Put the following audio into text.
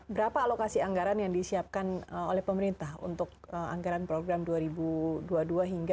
berapa alokasi anggaran yang disiapkan oleh pemerintah untuk anggaran program dua ribu dua puluh dua hingga dua ribu dua puluh